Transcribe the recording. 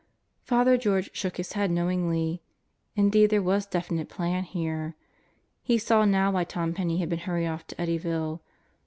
Father George shook his head knowingly. Indeed there was definite plan here. He saw now why Tom Penney had been hurried off to Eddyville.